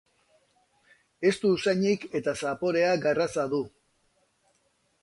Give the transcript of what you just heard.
Ez du usainik eta zaporea garratza du.